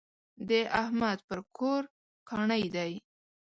د احمد پر کور کاڼی دی.